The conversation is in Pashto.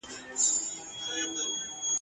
مُلا پرون مسلې کړلې د روژې د ثواب ..